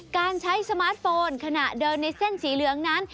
การใช้สมาร์ทโฟนขณะเดินในเส้นสีเหลืองนั้น